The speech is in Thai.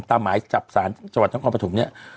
ตามหมายจับสารทั้งความปฐมเนี่ย